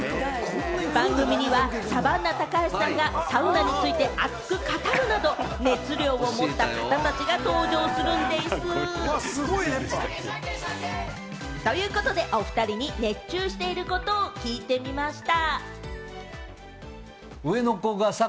番組にはサバンナ・高橋さんや、サウナについて熱く語るなど、熱量を持った方たちが登場するんでぃす。ということで、お２人に熱中していることを聞いてみました。